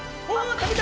食べた！